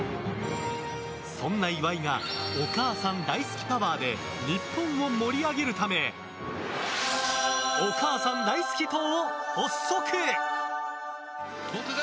そんな岩井がお母さん大好きパワーで日本を盛り上げるためお母さん大好き党を発足！